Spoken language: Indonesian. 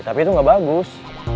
tapi itu gak bagus